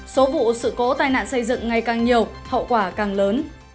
số vụ sự cố tai nạn xây dựng ngày càng nhiều hậu quả càng lớn